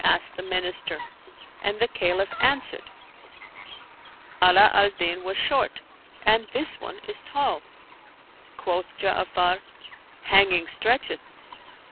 " asked the Minister, and the Caliph answered, "Ala al Din was short and this one is tall." Quoth Ja'afar, " Hanging stretcheth."